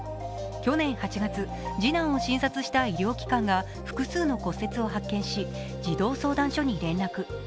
去年８月、次男を診察した医療機関が複数の骨折を発見し、児童相談所に連絡。